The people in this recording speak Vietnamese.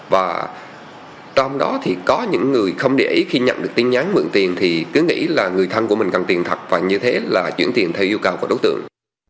và trong đó thì có những người không để ý khi nhận được tin nhắn mượn tiền thì cứ nghĩ là người thân của mình cần tiền thật và như thế là chuyển tiền theo yêu cầu của đối tượng